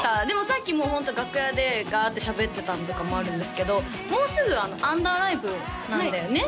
さっきもうホント楽屋でガーッてしゃべってたのとかもあるんですけどもうすぐアンダーライブなんだよね？